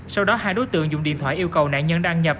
sau đó hai đối tượng dùng điện thoại yêu cầu nạn nhân đăng nhập